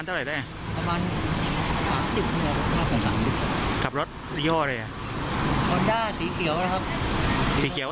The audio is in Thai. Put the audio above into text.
สีเขียวหรอสีน้ำเงิน